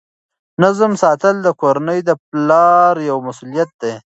نظم ساتل د کورنۍ د پلار یوه مسؤلیت ده.